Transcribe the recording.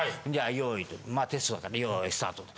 よいテストだからよいスタートと。